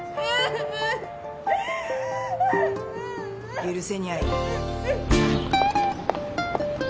許せにゃい。